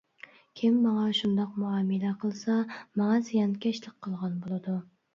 كىم ماڭا شۇنداق مۇئامىلە قىلسا، ماڭا زىيانكەشلىك قىلغان بولىدۇ.